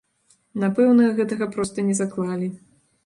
Напэўна, гэтага проста не заклалі.